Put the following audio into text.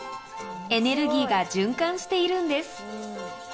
エネルギーが循環しているんです。